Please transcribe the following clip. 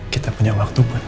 kita punya waktu buat